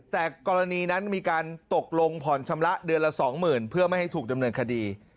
แต่กรณีนั้นมีการตกลงผ่อนชำระเดือนละ๒๐๐๐เพื่อไม่ให้ถูกดำเนินคดี